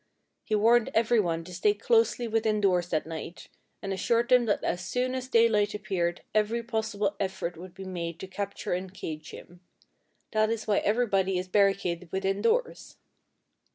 He warned everyone to stay closely within doors that night, and assured them that as soon as daylight appeared every possible effort would be made to capture and cage him. That is why everybody is barricaded within doors.